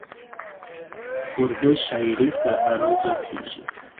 اردو شاعري پر عروضو کېږي.